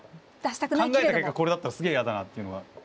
考えた結果これだったらすげえ嫌だなっていうのが。